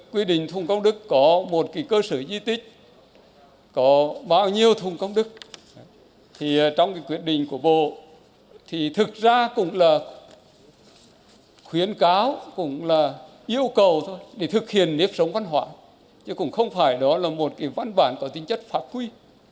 quy định thùng công đức có một cơ sở di tích có bao nhiêu thùng công đức thì trong cái quyết định của bộ thì thực ra cũng là khuyến cáo cũng là yêu cầu thôi để thực hiện nếp sống văn hóa chứ cũng không phải đó là một cái văn bản có tính chất phát huy